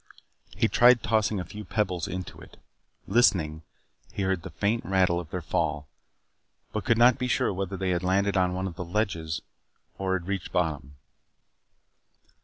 He tried tossing a few pebbles into it; listening he heard the faint rattle of their fall, but could not be sure whether they had landed on one of the ledges or had reached bottom.